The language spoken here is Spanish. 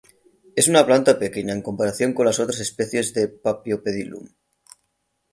Es una planta pequeña en comparación con otras especies de "Paphiopedilum".